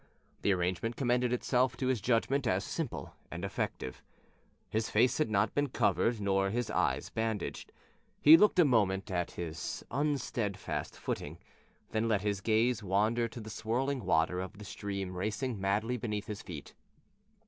The arrangement commended itself to his judgment as simple and effective. His face had not been covered nor his eyes bandaged. He looked a moment at his "unsteadfast footing," then let his gaze wander to the swirling water of the stream racing madly beneath his feet.